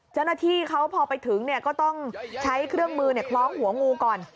เจ้าหน้าที่เขาพอไปถึงก็ต้องใช้เครื่องมือคล้องหัวงูก่อน